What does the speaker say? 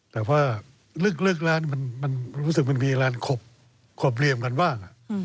แต่ว่าลึกแล้วมันรู้สึกมันมีอะไรขบเหลี่ยมกันบ้าง